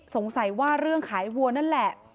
สงสัยว่าเรื่องขายวัวนั่นแหละ